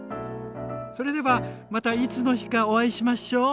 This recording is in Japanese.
それではまたいつの日かお会いしましょう。